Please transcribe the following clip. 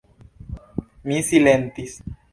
Mi silentis.